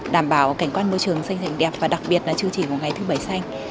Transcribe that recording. đảm bảo cảnh quan môi trường xanh xanh đẹp và đặc biệt là chương trình ngày thứ bảy xanh